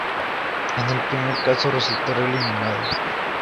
En el primer caso, resultará eliminado.